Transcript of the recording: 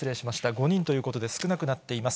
５人ということで、少なくなっています。